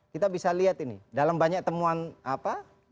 kita bisa lihat ini dalam banyak temuan apa